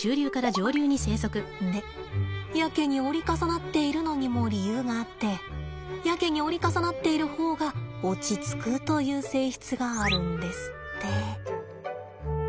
でやけに折り重なっているのにも理由があってやけに折り重なっている方が落ち着くという性質があるんですって。